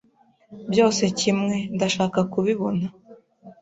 Byose kimwe, ndashaka kubibona.